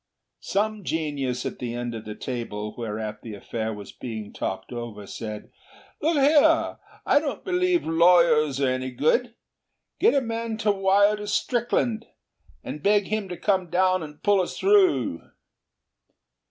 Some genius at the end of the table whereat the affair was being talked over, said, 'Look here! I don't believe lawyers are any good. Get a man to wire to Strickland, and beg him to come down and pull us through.'